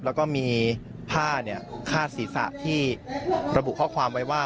แล้วก็มีผ้าคาดศีรษะที่ระบุข้อความไว้ว่า